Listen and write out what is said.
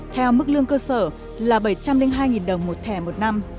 theo mức lương cơ sở là bảy trăm linh hai đồng một thẻ một năm